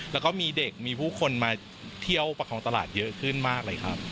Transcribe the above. แล้วก็มีเด็กมีผู้คนมาเที่ยวประคองตลาดเยอะขึ้นมากเลยครับ